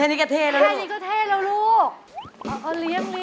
แล้ว